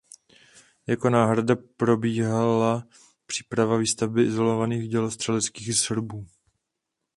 Jako náhrada probíhala příprava výstavby izolovaných dělostřeleckých srubů.